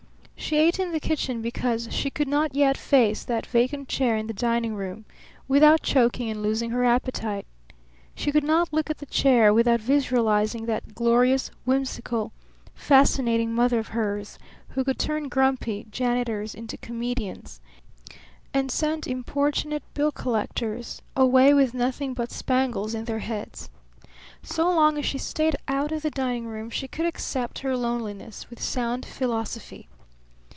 She ate in the kitchen because she could not yet face that vacant chair in the dining room without choking and losing her appetite. She could not look at the chair without visualizing that glorious, whimsical, fascinating mother of hers, who could turn grumpy janitors into comedians and send importunate bill collectors away with nothing but spangles in their heads. So long as she stayed out of the dining room she could accept her loneliness with sound philosophy.